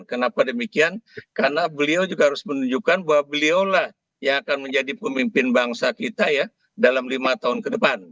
kenapa demikian karena beliau juga harus menunjukkan bahwa beliau lah yang akan menjadi pemimpin bangsa kita ya dalam lima tahun ke depan